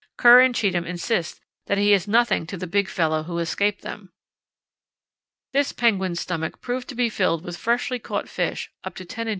Kerr and Cheetham insist that he is nothing to the big fellow who escaped them." This penguin's stomach proved to be filled with freshly caught fish up to 10 in.